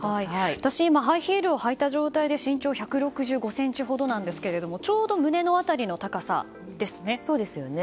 私、今、ハイヒールを履いた状態で身長１６５ｃｍほどなんですがちょうど胸の辺りの高さですね。